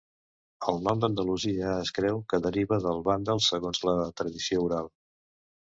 El nom d'Andalusia es creu que deriva del vàndal, segons la tradició oral.